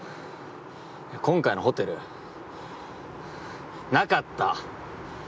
今回のホテルなかった！